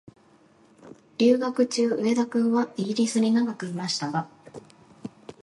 留学中、上田君はイギリスに長くいましたが、